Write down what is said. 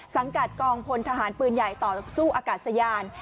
สังกัดกองพลทหารปืนใหญ่ต่อสู้อากาศยาน